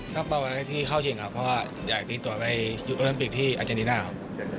ตั้งเป้าหมายให้ที่เข้าชิงครับเพราะว่าอยากได้ตัวไปยืนโอลิมปิกที่อาเจนติน่าครับ